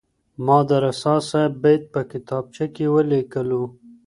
ما د رسا صاحب بیت په کتابچه کي ولیکلو.